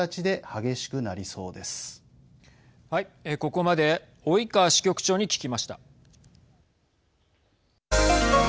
ここまで及川支局長に聞きました。